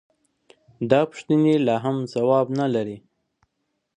دا پوښتنې لا هم ځواب نه لري.